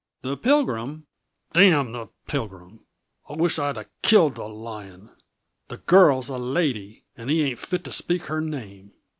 The Pilgrim " "Damn the Pilgrim! I wisht I'd a killed the lying The girl's a lady, and he ain't fit to speak her name.